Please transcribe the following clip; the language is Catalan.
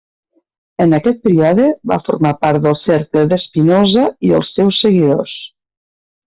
En aquest període va formar part del cercle de Spinoza i els seus seguidors.